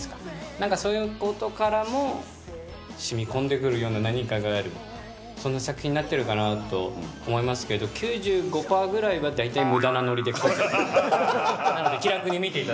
なんかそういうことからもしみこんでくるような何かがある、そんな作品になってるかなと思いますけど、９５パーぐらいは大体むだなノリで構成されてます。